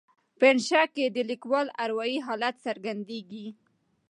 په انشأ کې د لیکوال اروایي حالت څرګندیږي.